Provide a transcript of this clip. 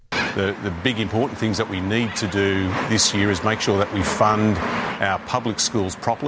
hal hal penting yang kita perlu lakukan tahun ini adalah memastikan kita memperdayakan sekolah publik kita dengan betul